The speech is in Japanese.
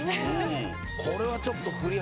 これはちょっと。